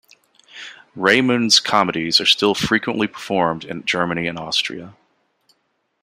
Raimund's comedies are still frequently performed in Germany and Austria.